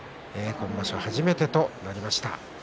今場所初めてとなりました。